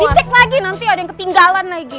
dicek lagi nanti ada yang ketinggalan lagi